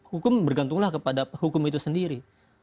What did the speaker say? hukum bergantunglah kepada hukum itu sendiri